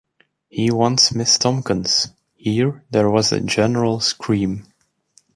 ‘He wants Miss Tomkins.’ Here there was a general scream.